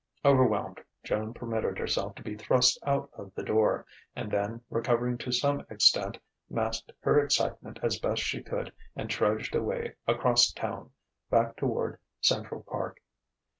Overwhelmed, Joan permitted herself to be thrust out of the door; and then, recovering to some extent, masked her excitement as best she could and trudged away across town, back toward Central Park.